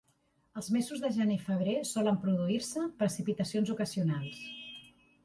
Als mesos de gener i febrer, solen produir-se precipitacions ocasionals.